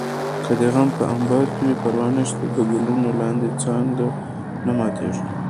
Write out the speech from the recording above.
که دې غم په امبار وي پروا نشته د ګلونو لاندې څانګه نه ماتېږي